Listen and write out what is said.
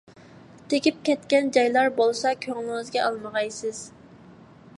تېگىپ كەتكەن جايلار بولسا كۆڭلىڭىزگە ئالمىغايسىز.